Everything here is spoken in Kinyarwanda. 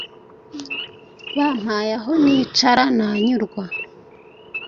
bampaye aho nicara nanyurwa